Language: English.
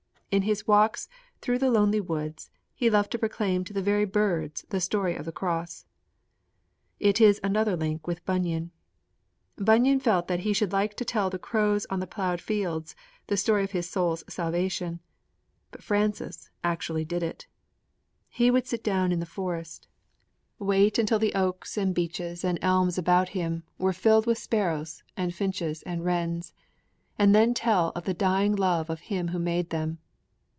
In his walks through the lonely woods he loved to proclaim to the very birds the story of the Cross. It is another link with Bunyan. Bunyan felt that he should like to tell the crows on the ploughed fields the story of his soul's salvation; but Francis actually did it. He would sit down in the forest: wait until the oaks and beeches and elms about him were filled with sparrows and finches and wrens; and then tell of the dying love of Him who made them.